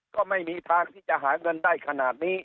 ก็ไม่มีทางที่จะหาเงินได้ขนาดนี้